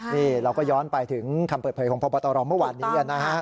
นี่เราก็ย้อนไปถึงคำเปิดเผยของพบตรเมื่อวานนี้นะฮะ